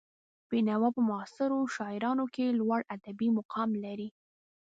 بېنوا په معاصرو شاعرانو کې لوړ ادبي مقام لري.